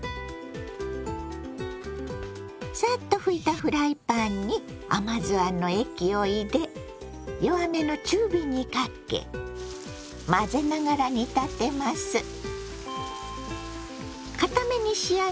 サッと拭いたフライパンに甘酢あんの液を入れ弱めの中火にかけ混ぜながら煮立てます。